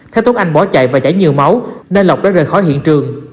theo tốn anh bỏ chạy và chảy nhiều máu nên lộc đã rời khỏi hiện trường